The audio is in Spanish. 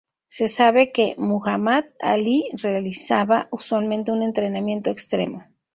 Se sabe que Muhammad Ali realizaba usualmente un entrenamiento extremo.